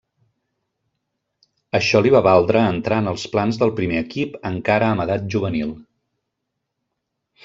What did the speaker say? Això li va valdre entrar en els plans del primer equip encara amb edat juvenil.